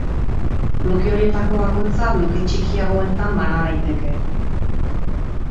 Bloke horietako bakoitza bloke txikiagoetan bana daiteke.